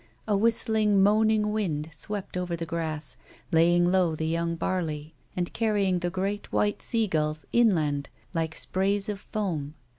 A whistling moan ing wind swept over the grass, laying low the young barley, and carrying the great, white sea gulls inland like sprays of foam.